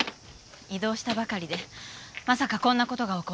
異動したばかりでまさかこんな事が起こるなんて。